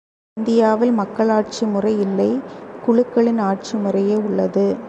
இந்தியாவில் மக்களாட்சி முறை இல்லை குழுக்களின் ஆட்சிமுறையே உள்ளது.